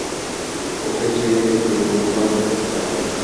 ওকে ছিঁড়ে টুকরো টুকরো করে ফেলতে চাই।